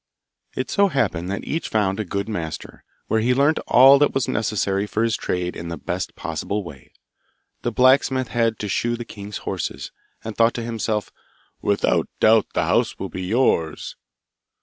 It so happened that each found a good master, where he learnt all that was necessary for his trade in the best possible way. The blacksmith had to shoe the king's horses, and thought to himself, 'Without doubt the house will be yours!